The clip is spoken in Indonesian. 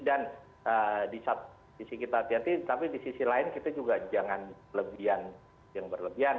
dan di sisi kita hati hati tapi di sisi lain kita juga jangan berlebihan